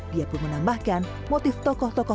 dia pun menambahkan motif tokoh tokoh